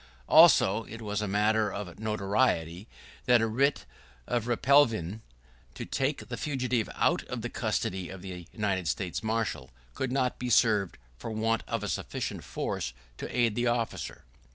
Also, it was a matter of notoriety that a writ of replevin to take the fugitive out of the custody of the United States Marshal could not be served for want of sufficient force to aid the officer.